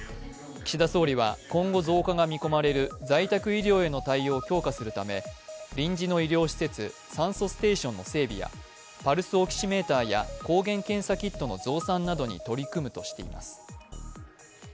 岸田総理は今後増加が見込まれる在宅医療への対策を強化するため、臨時の医療施設、酸素ステーションの整備やパルスオキシメーターや抗原検査キットの増産などに取り組むとしています。